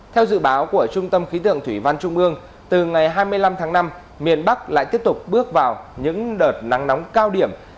theo dự báo của trung tâm khí tượng thủy văn trung ương từ ngày hai mươi năm tháng năm miền bắc lại tiếp tục bước vào những đợt nắng nóng cao điểm